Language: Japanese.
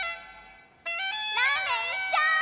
ラーメンいっちょう！